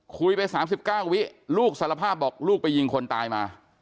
คุยไป๓๙วิลูกสารภาพบอกลูกไปยิงคนตายมา